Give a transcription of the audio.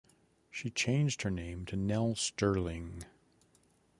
She changed her name to Nell Stirling.